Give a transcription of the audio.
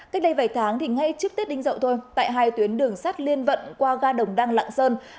cách đây vài tháng thì ngay trước tết đinh dậu thôi tại hai tuyến đường sắt liên vận qua ga đồng đăng lạng sơn